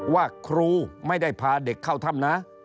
ว่าครูไม่ได้พาเด็กเข้าถ้ำนะ